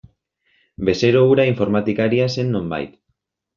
Bezero hura informatikaria zen nonbait.